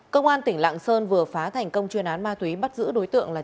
công an tỉnh lạng sơn vừa phá thành công chuyên án ma túy bắt giữ đối tượng là